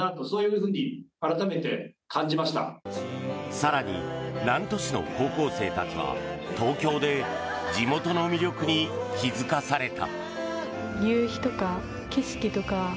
更に、南砺市の高校生たちは東京で地元の魅力に気付かされた。